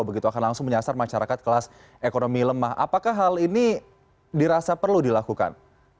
begitu akan langsung menyasar masyarakat kelas ekonomi lemah apakah hal ini dirasa perlu dilakukan